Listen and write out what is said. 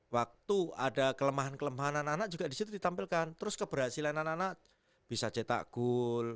waktu ada kelemahan kelemahan anak anak juga disitu ditampilkan terus keberhasilan anak anak bisa cetak gol